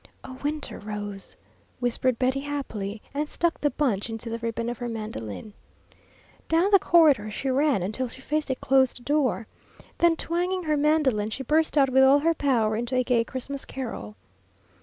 "A winter rose," whispered Betty, happily, and stuck the bunch into the ribbon of her mandolin. Down the corridor she ran until she faced a closed door. Then, twanging her mandolin, she burst out with all her power into a gay Christmas carol.